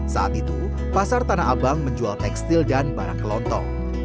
saat itu pasar tanah abang menjual tekstil dan barang kelontong